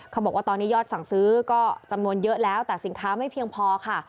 บอกว่าตอนนี้ยอดสั่งซื้อก็จำนวนเยอะแล้วแต่สินค้าไม่เพียงพอค่ะ